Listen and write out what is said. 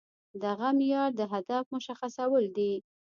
دغه معيار د هدف مشخصول دي.